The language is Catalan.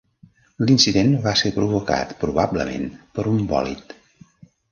L'incident va ser provocat, probablement, per un bòlid.